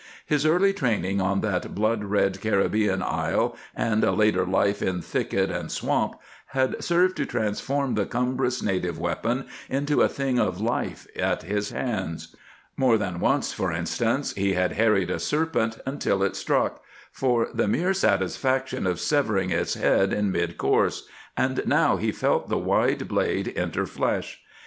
His early training on that blood red Caribbean isle, and a later life in thicket and swamp, had served to transform the cumbrous native weapon into a thing of life at his hands. More than once, for instance, he had harried a serpent until it struck, for the mere satisfaction of severing its head in midcourse, and now he felt the wide blade enter flesh.